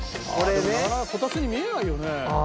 でもこたつに見えないよね。